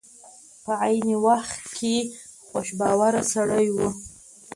په عین وخت کې خوش باوره سړی و.